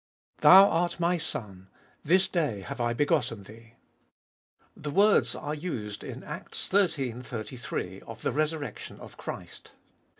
Thou art My Son, this day have I begotten Thee. The words are used in Acts xiii. 33, of the resurrection of Christ.